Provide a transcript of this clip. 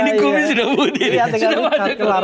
tinggal dicat rambut kelar